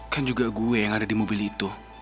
kan juga gue yang ada di mobil itu